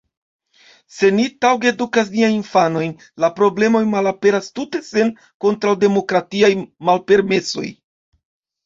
Se ni taŭge edukas niajn infanojn, la problemoj malaperas tute sen kontraŭdemokratiaj malpermesoj.